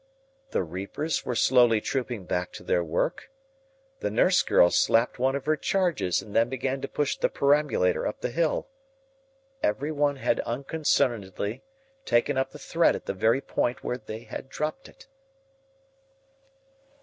The reapers were slowly trooping back to their work. The nurse girl slapped one of her charges and then began to push the perambulator up the hill. Everyone had unconcernedly taken up the thread at the very point where they had dropped it.